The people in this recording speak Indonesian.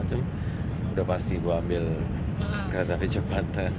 udah pasti gue ambil kereta api cepat